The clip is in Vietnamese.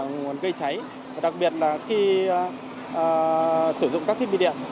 nguồn gây cháy đặc biệt là khi sử dụng các thiết bị điện